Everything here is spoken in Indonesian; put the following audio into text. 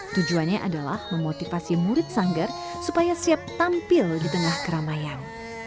tujuannya adalah memotivasi murid sanggar supaya siap tampil di tengah keramaian